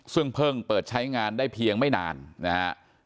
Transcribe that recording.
ซึ่งเพิ่งเปิดใช้งานได้เพียงไม่นานนะฮะ